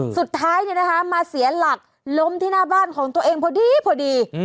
สุดท้ายเนี่ยนะคะมาเสียหลักล้มที่หน้าบ้านของตัวเองพอดี